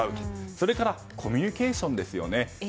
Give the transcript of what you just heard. それからコミュニケーションですよね。